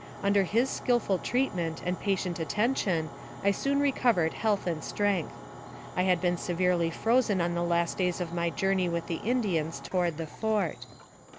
Under his skill ful treatment and patient attention I soon recovered health and strength. I had been severely frozen on the last days of my journey with the Indians toward the fort.